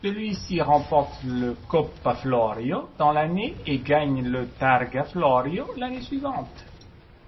Celui-ci remporte le Coppa Florio dans l'année et gagne le Targa Florio l'année suivante.